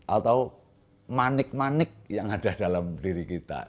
atau manik manik yang ada dalam diri kita